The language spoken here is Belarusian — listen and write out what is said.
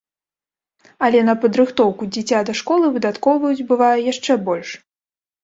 Але на падрыхтоўку дзіця да школы выдаткоўваюць, бывае, яшчэ больш.